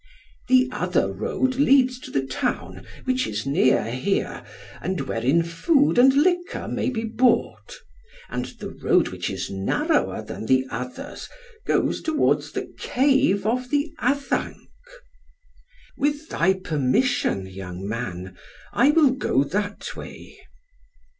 "The other road leads to the town, which is near here, and wherein food and liquor may be bought; and the road which is narrower than the others goes towards the cave of the Addanc." "With thy permission, young man, I will go that way."